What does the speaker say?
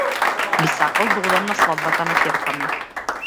Би сакал да одам на свадбата на ќерка ми.